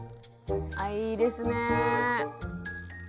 あいいですね。